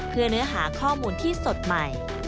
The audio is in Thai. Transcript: เพื่อเนื้อหาข้อมูลที่สดใหม่